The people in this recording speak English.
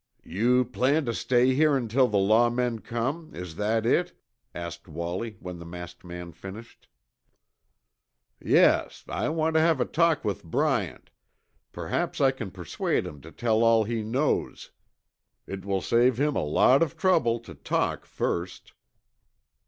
"You plan to stay here until the law men come, is that it?" asked Wallie when the masked man finished. "Yes. I want to have a talk with Bryant. Perhaps I can persuade him to tell all he knows. It will save him a lot of trouble to talk first."